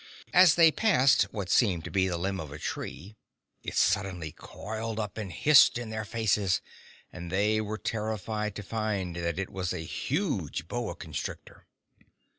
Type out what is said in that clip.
As they passed what seemed to be the limb of a tree, it suddenly coiled up and hissed in their faces, and they were terrified to find that it was a huge boa constrictor.